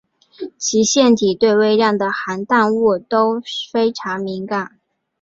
其腺体对微量的含氮物都非常敏感。